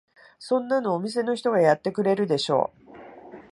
そんなのお店の人がやってくれるでしょ。